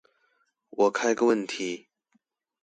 我開個問題